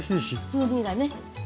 風味がね。